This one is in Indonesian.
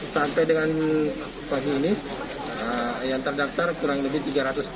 sampai dengan pagi ini yang terdaftar kurang lebih tiga ratus tiga puluh